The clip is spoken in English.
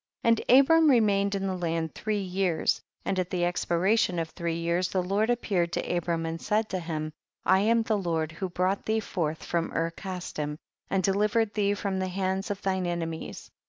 3. And Abram remained in the land three years, and at the expira tion of three years the Lord appeared to Abram and said to him ; I am the Lord who brought thee forth from THE BOOK OF JASHER. 3t Ur Casdim, and delivered tliee from the hands of all thine enemies.